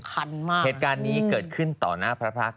เหตุการณ์นี้เกิดขึ้นต่อหน้าพระพรรค